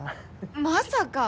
まさか！